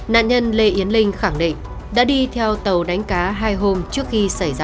nạn nhân lê yến linh khẳng định đã đi theo tàu đánh cá hai hôm trước khi xảy ra